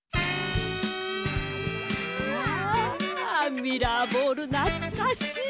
ミラーボールなつかしい。